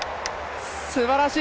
すばらしい！